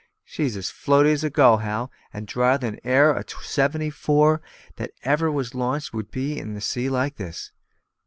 She's as floaty as a gull, Hal; and drier than e'er a seventy four that ever was launched would be in a sea like this.